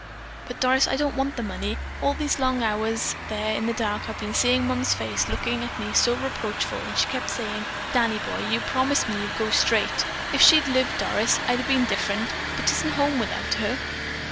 But, Doris, I don't want the money. All these long hours there in the dark I've been seeing Mom's face looking at me so reproachful, and she kept saying, 'Danny boy, you promised me you'd go straight.' If she'd a lived, Doris, I'd have been different, but 'tisn't home without her."